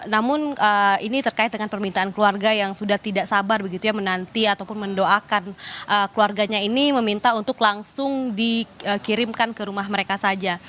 namun ini terkait dengan permintaan keluarga yang sudah tidak sabar begitu ya menanti ataupun mendoakan keluarganya ini meminta untuk langsung dikirimkan ke rumah mereka saja